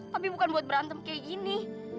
tapi bukan buat berantem kayak gini